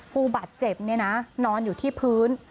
ผู้บาดเจ็บเนี่ยนะนอนอยู่ที่พื้น